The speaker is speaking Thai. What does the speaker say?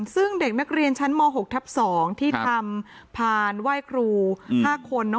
ซึ่งเด็กนักเรียนชั้นม๖ทับ๒ที่ทำพานไหว้ครู๕คน